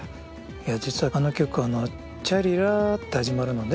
いや実はこの曲はあのチャリラーって始まるので。